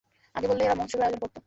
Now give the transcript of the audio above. আগে বললে এরা মহোৎসবের আয়োজন করত।